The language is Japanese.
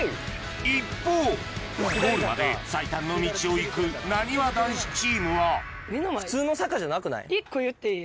一方ゴールまで最短の道を行くなにわ男子チームは１個言っていい？